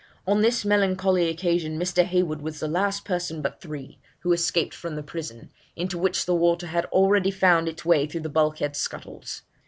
'On this melancholy occasion Mr. Heywood was the last person but three who escaped from the prison, into which the water had already found its way through the bulk head scuttles.